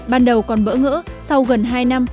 ban đầu còn bỡ ngỡ sau gần hai năm